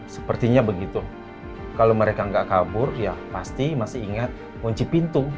sepertinya begitu kalau mereka nggak kabur ya pasti masih ingat kunci pintu